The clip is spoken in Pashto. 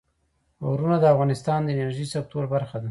غرونه د افغانستان د انرژۍ سکتور برخه ده.